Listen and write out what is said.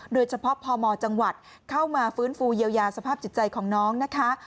โดยเฉพาะพมจังหวัดเข้ามาฟื้นฟูเยียวยาสภาพจิตใจของน้องนะคะ